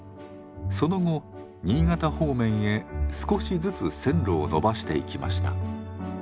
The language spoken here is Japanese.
その後新潟方面へ少しずつ線路を延ばしていきました。